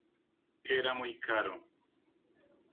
Era muy caro.